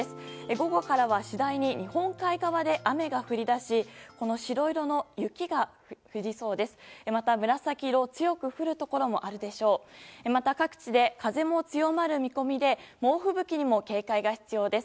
午後からは次第に日本海側で雨が降り出し白色の雪が降りそうです。